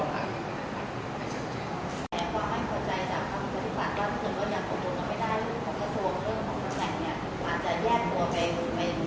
มีอะไรออกไปเดี๋ยวถูกยากเป็นทางตกเอก